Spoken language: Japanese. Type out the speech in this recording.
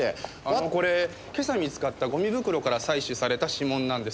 あのこれ今朝見つかったゴミ袋から採取された指紋なんですが。